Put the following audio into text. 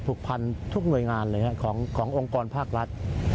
ผูกพันทุกหน่วยงานเลยขององค์กรภาครัฐ